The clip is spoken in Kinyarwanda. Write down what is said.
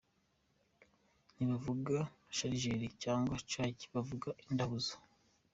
Ntibavuga sharijeri cyangwa cajyi bavuga indahuzo!”.